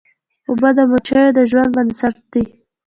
اوبه د مچیو د ژوند بنسټ دي.